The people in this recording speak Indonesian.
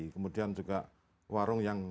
kemudian juga warung yang